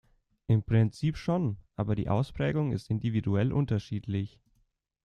Im Prinzip schon, aber die Ausprägung ist individuell unterschiedlich.